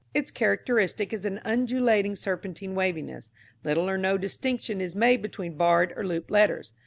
Its characteristic is an undulating serpentine waviness. Little or no distinction is made between barred or looped letters.